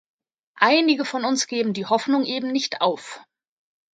Einige von uns geben die Hoffnung eben nicht auf.